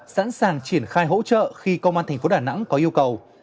sẵn sàng triển khai hỗ trợ khi công an tp đà nẵng có yêu cầu